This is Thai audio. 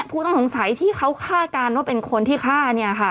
ผู้ต้องสงสัยที่เขาฆ่าการว่าเป็นคนที่ฆ่า